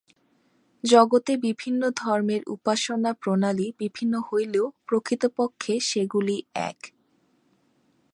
জগতে বিভিন্ন ধর্মের উপাসনা-প্রণালী বিভিন্ন হইলেও প্রকৃতপক্ষে সেগুলি এক।